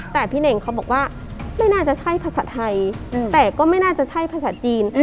แต่พี่เน่งเขาบอกว่าไม่น่าจะใช่ภาษาไทยแต่ก็ไม่น่าจะใช่ภาษาจีน